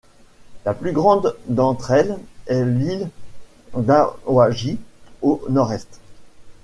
La plus grande d’entre elles est l’île d’Awaji, au nord-est.